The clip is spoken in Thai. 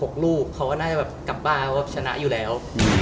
เขาก็หน้ากลับบ้านว่าชนะอยู่แล้ว